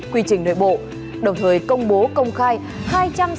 quy trình nội bộ đồng thời công bố công khai